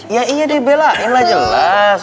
iya iya dia belain lah jelas